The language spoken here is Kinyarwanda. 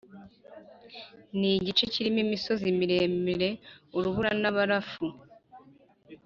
Ni igice kirimo imisozi miremire, urubura na barafu